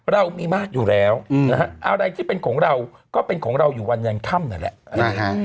เรามีมากอยู่แล้วนะฮะอะไรที่เป็นของเราก็เป็นของเราอยู่วันยันค่ำนั่นแหละ